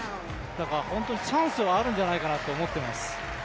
だからチャンスはあるんじゃないかと思ってます。